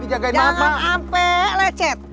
jangan sampai lecet